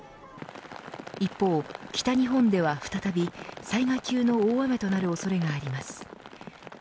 一方、北日本では再び災害級の大雨となる恐れがあります。